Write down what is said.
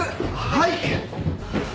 はい。